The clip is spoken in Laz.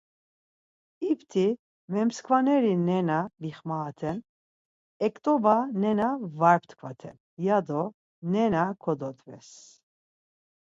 İpti, ‘memskvaneri nena bixmaaten, ektoba nena var ptkvaten’ ya do nena kododves.